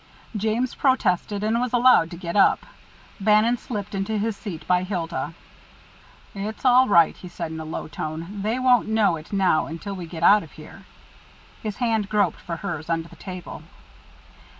James protested, and was allowed to get up. Bannon slipped into his seat by Hilda. "It's all right," he said in a low tone. "They won't know it now until we get out of here." His hand groped for hers under the table.